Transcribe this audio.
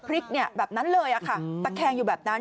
พริกเนี่ยแบบนั้นเลยอ่ะค่ะตะแคงอยู่แบบนั้น